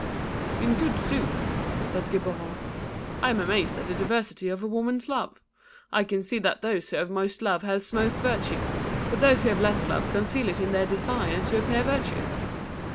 "In good sooth," said Geburon, "I am amazed at the diversity of woman's love. I can see that those who have most love have most virtue; but those who have less love conceal it in their desire to appear virtuous."